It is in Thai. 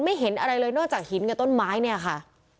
เห็นอะไรเลยนอกจากหินกับต้นไม้เนี่ยค่ะ